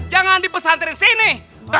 jangan di pesantri sepenuhnya